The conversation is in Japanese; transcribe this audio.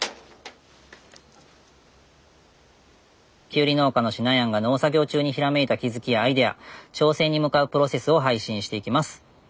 きゅうり農家のしなやんが農作業中にひらめいた気付きやアイデア挑戦に向かうプロセスを配信していきます。